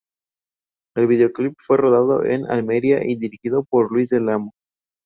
El videoclip fue rodado en Almería, y dirigido por Luis del Amo.